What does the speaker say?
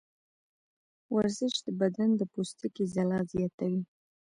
ورزش د بدن د پوستکي ځلا زیاتوي.